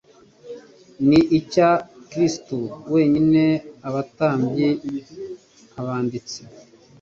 ni icya Kristo wenyine. Abatambyi, abanditsi,